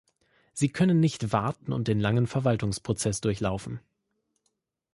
Sie können nicht warten und den langen Verwaltungsprozess durchlaufen.